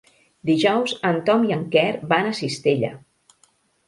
Dijous en Tom i en Quer van a Cistella.